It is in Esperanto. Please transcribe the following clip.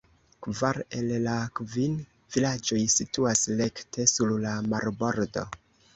Kvar el la kvin vilaĝoj situas rekte sur la marbordo.